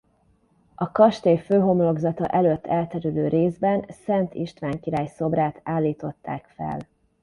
A kastély főhomlokzata előtt elterülő részében Szent István király szobrát állították fel.